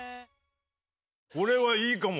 これはいいかも。